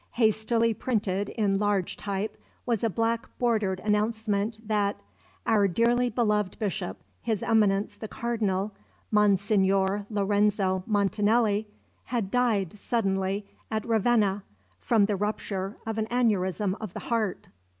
Hastily printed in large type was a black bordered announcement that: "Our dearly beloved Bishop, His Eminence the Cardinal, Monsignor Lorenzo Montanelli," had died suddenly at Ravenna, "from the rupture of an aneurism of the heart."